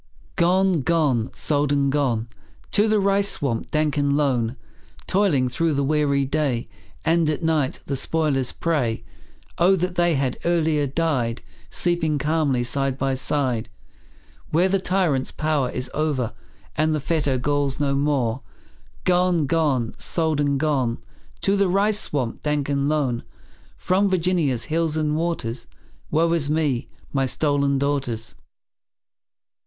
Gone, gone, sold and gone, To the rice swamp dank and lone; Toiling through the weary day, And at night the spoiler's prey. Oh, that they had earlier died, Sleeping calmly, side by side, Where the tyrant's power is o'er, And the fetter galls no more Gone, gone, sold and gone, To the rice swamp dank and lone, From Virginia's hills and waters; Woe is me, my stolen daughters!